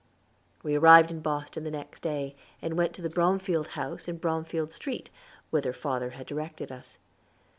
We arrived in Boston the next day and went to the Bromfield House in Bromfield Street, whither father had directed us.